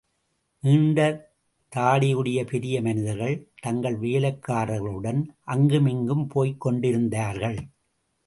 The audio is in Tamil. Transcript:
நீண்ட தாடியுடைய பெரிய மனிதர்கள், தங்கள் வேலைக்காரர்களுடன், அங்குமிங்கும் போய்க் கொண்டிருந்தார்கள்.